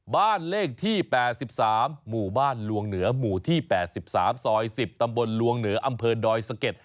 บ้านเลขที่๘๓หมู่บ้านลวงเหนือหมู่ที่๘๓ซอย๑๐ตำบลลวงเหนืออำเภอดอยสะเก็ด